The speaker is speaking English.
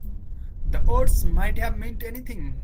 The words might have meant anything.